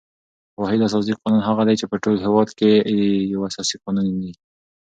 واحد اساسي قانون هغه دئ، چي په ټول هیواد کښي یو اساسي قانون يي.